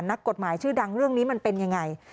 นักกฎหมายชื่อดังเรื่องนี้มันเป็นยังไง